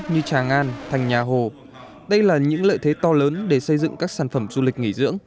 như tràng an thành nhà hồ đây là những lợi thế to lớn để xây dựng các sản phẩm du lịch nghỉ dưỡng